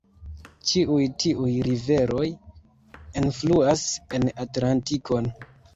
Ĉiuj tiuj riveroj enfluas en Atlantikon.